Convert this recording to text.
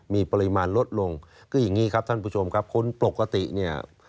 มีปริมาณลดลงคืออย่างนี้ครับท่านผู้ชมครับคนปกติเนี่ย